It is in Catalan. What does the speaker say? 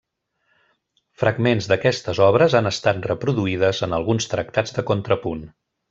Fragments d'aquestes obres han estat reproduïdes en alguns tractats de contrapunt.